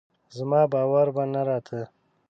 زما باور به نه راته